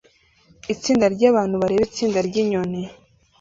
itsinda ryabantu bareba itsinda ryinyoni